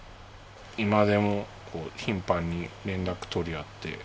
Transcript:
今でも頻繁に連絡取り合って。